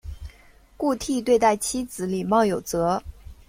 顾悌对待妻子礼貌有则。